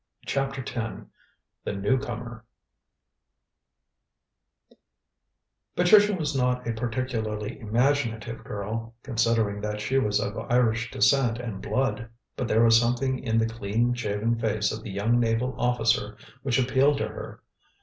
CHAPTER X THE NEW COMER Patricia was not a particularly imaginative girl, considering that she was of Irish descent and blood. But there was something in the clean shaven face of the young naval officer which appealed to her.